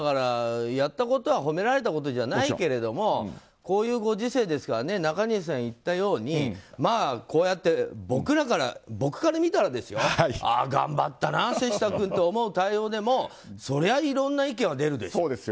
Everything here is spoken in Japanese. やったことは褒められたことじゃないけれどもこういうご時世ですから中西さんが言ったようにこうやって僕から見たらですよ頑張ったな、瀬下君って思う対応でもそりゃいろんな意見は出るでしょ。